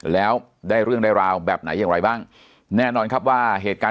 แล้วได้เรื่องได้ราวแบบไหนอย่างไรบ้างแน่นอนครับว่าเหตุการณ์